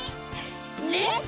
レッツ。